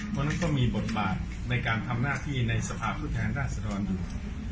เพราะฉะนั้นก็มีบทบาทในการทำหน้าที่ในสภาพผู้แทนราชดรอยู่